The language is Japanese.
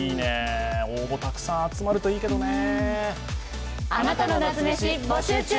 応募たくさん集まるといいけどね。